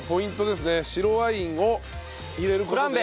白ワインを入れる事で。